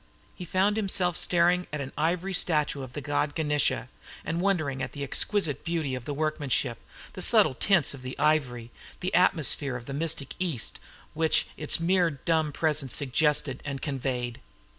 He found himself staring at an ivory statue of the god Ganesha, and wondering at the exquisite beauty of the workmanship, the subtle tints of the ivory, the atmosphere of the mystic East, which its mere dumb presence suggested and conveyed.